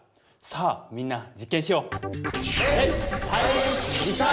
さあみんな実験しよう！